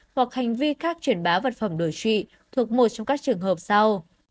hoặc hành vi khác truyền bá vật phẩm đối trụy thuộc một trong các trường hợp sau